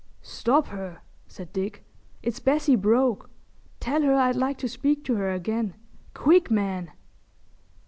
"Stop her," said Dick. "It's Bessie Broke. Tell her I'd like to speak to her again. Quick, man!"